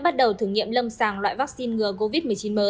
đã bắt đầu thử nghiệm lâm tử